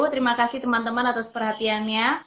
terima kasih teman teman atas perhatiannya